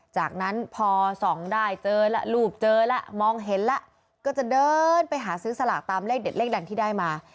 จากนั้นพอส่องได้เจอแล้วรูปเจอแล้วมองเห็นแล้วก็จะเดินไปหาซื้อสลากตามเลขเด็ดเลขดังที่ได้มา